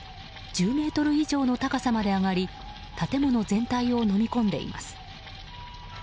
１０ｍ以上の高さまで上がり建物全体をのみ込んでいます。